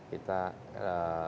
kita mencari keuntungan